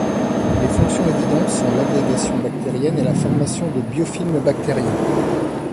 Les fonctions évidentes sont l’agrégation bactérienne et la formation de biofilms bactériens.